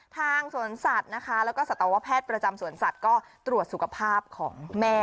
ทางสวนสัตว์นะคะแล้วก็สัตวแพทย์ประจำสวนสัตว์ก็ตรวจสุขภาพของแม่